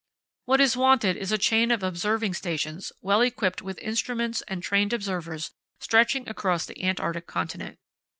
What is wanted is a chain of observing stations well equipped with instruments and trained observers stretching across the Antarctic Continent.